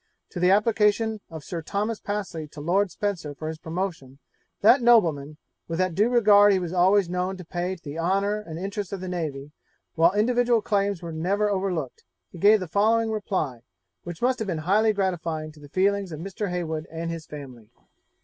To the application of Sir Thomas Pasley to Lord Spencer for his promotion, that nobleman, with that due regard he was always known to pay to the honour and interests of the navy, while individual claims were never overlooked, gave the following reply, which must have been highly gratifying to the feelings of Mr. Heywood and his family.